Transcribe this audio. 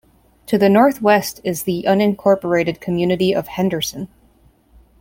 To the northwest is the unincorporated community of Henderson.